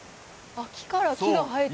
あっ、木から木が生えて？